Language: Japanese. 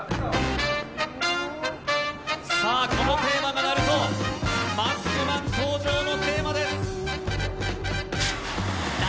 さあ、このテーマが鳴ると、マスクマン登場のテーマです。